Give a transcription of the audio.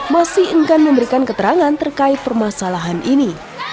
masih enggan memberikan keterangan terkait permasalahan ini